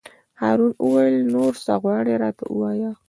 هارون وویل: نور څه غواړې راته ووایه.